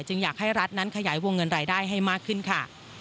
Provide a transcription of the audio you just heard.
อยากให้รัฐนั้นขยายวงเงินรายได้ให้มากขึ้นค่ะ